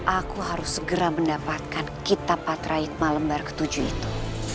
aku harus segera mendapatkan kitab patraik malembar ketujuh itu